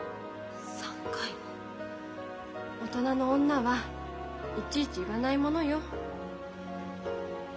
大人の女はいちいち言わないものよ。